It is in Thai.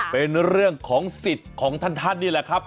เป็นเรื่องของสิทธิ์ของท่านนี่แหละครับ